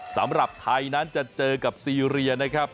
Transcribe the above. สำหรับไทยนั้นจะเจอกับซีเรียนะครับ